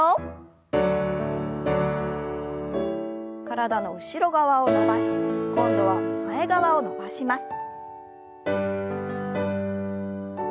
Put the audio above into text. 体の後ろ側を伸ばして今度は前側を伸ばします。